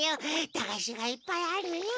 だがしがいっぱいあるよ。